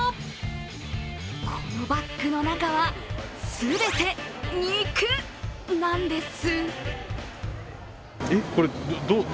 このバッグの中は全て肉なんです！